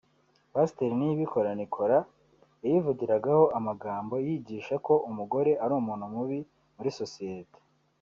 Pasiteri Niyibikora Nicholas yayivugiragaho amagambo yigisha ko umugore ari umuntu mubi muri sosiyete